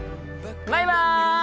バイバイ！